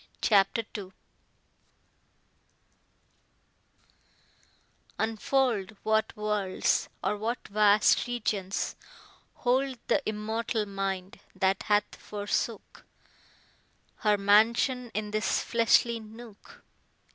CHAPTER II unfold What worlds, or what vast regions, hold Th' immortal mind, that hath forsook Her mansion in this fleshly nook!